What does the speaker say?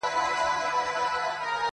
هم به د دوست، هم د رقیب له لاسه زهر چښو.!